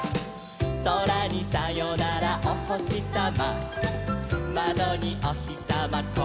「そらにさよならおほしさま」「まどにおひさまこんにちは」